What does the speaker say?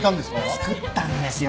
作ったんですよ。